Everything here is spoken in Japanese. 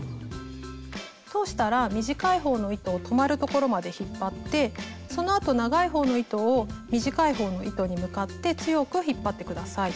通したら短い方の糸を止まるところまで引っ張ってそのあと長い方の糸を短い方の糸に向かって強く引っ張って下さい。